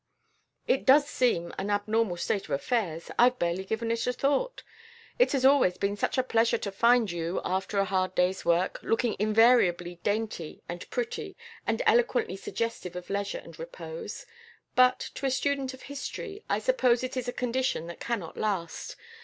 "It does seem an abnormal state of affairs; I've barely given it a thought, it has always been such a pleasure to find you, after a hard day's work, looking invariably dainty, and pretty, and eloquently suggestive of leisure and repose. But to the student of history I suppose it is a condition that cannot last.